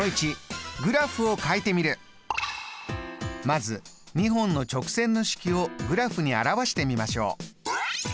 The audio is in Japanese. まず２本の直線の式をグラフに表してみましょう。